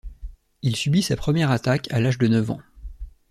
Il subit sa première attaque à l’âge de neuf ans.